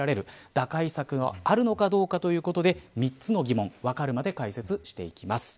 打開策があるのかということで３つの疑問をわかるまで解説していだきます。